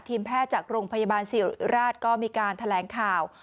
แพทย์จากโรงพยาบาลสิริราชก็มีการแถลงข่าว